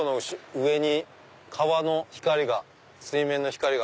川の光が水面の光が。